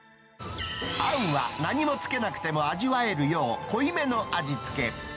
あんは何もつけなくても味わえるよう、濃いめの味付け。